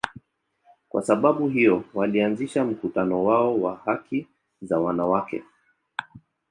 Kwa sababu hiyo, walianzisha mkutano wao wa haki za wanawake.